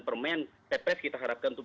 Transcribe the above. permain ppes kita harapkan untuk